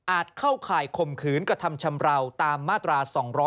เข้าข่ายข่มขืนกระทำชำราวตามมาตรา๒๗